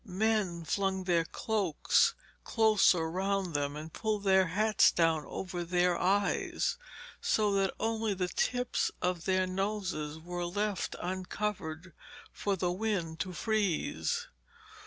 Men flung their cloaks closer round them, and pulled their hats down over their eyes, so that only the tips of their noses were left uncovered for the wind to freeze.